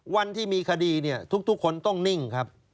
วันที่มีคดีเนี่ยทุกคนต้องนิ่งครับ